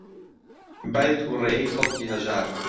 بای تووڕەیی خەڵکی هەژار